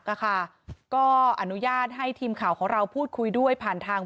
ค่ะก็อนุญาตให้ทีมข่าวของเราพูดคุยด้วยผ่านทาง